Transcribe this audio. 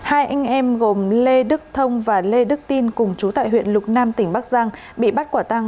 hai anh em gồm lê đức thông và lê đức tin cùng chú tại huyện lục nam tỉnh bắc giang bị bắt quả tăng